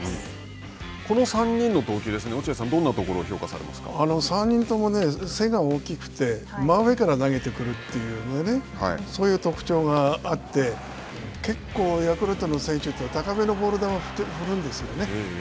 この３人の投球、落合さん、ど３人とも背が大きくて、真上から投げてくるというのでね、そういう特徴があって、結構、ヤクルトの選手って高めのボール球を振るんですよね。